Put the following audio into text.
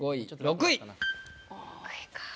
６位かぁ。